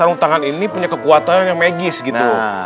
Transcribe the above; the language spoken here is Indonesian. sarung tangan ini punya kekuatan yang magis gitu